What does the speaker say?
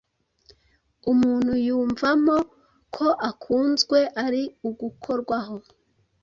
umuntu yumvamo ko akunzwe ari ugukorwaho